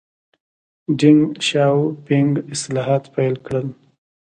ډینګ شیاؤ پینګ اصلاحات پیل کړل.